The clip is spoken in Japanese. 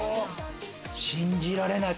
信じられない！